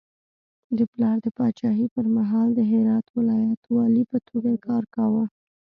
د پلار د پاچاهي پر مهال د هرات ولایت والي په توګه کار کاوه.